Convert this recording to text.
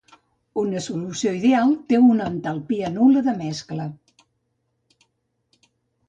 Una solució ideal té una entalpia nul·la de mescla.